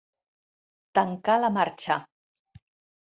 Tancar la marxa.